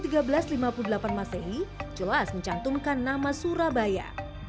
sejak kejadian kejadian ke lima puluh delapan masehi jelas mencantumkan nama surabaya